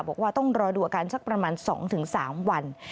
บอกว่าต้องรอดูอาการสักประมาณ๒๓วัน